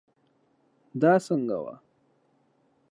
دا څنګه وه